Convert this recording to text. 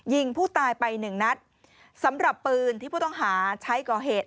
ยิงผู้ตายไปหนึ่งนัดสำหรับปืนที่ผู้ต้องหาใช้ก่อเหตุ